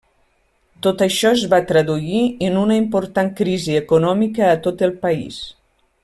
Tot això es va traduir en una important crisi econòmica a tot el país.